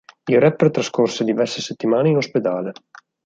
Il rapper trascorse diverse settimane in ospedale.